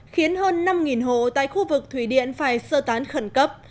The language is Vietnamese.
khiến hơn năm hộ tại khu vực thủy điện phải sơ tán khẩn cấp